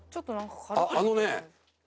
あのね。